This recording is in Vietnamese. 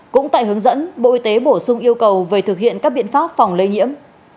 cũng tại hướng dẫn bộ y tế bổ sung yêu cầu về thực hiện các biện pháp phòng lây nhiễm